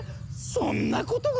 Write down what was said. そんなことが！